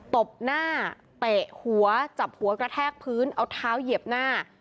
ตบหน้าเตะหัวจับหัวกระแทกพื้นเอาเท้าเหยียบหน้า